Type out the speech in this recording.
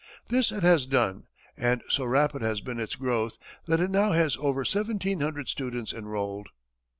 This it has done, and so rapid has been its growth, that it now has over seventeen hundred students enrolled.